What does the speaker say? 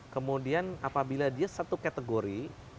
kemudian apabila dia satu kategori